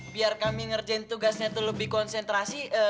biar kami ngerjain tugasnya itu lebih konsentrasi